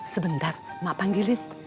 sebentar emak panggilin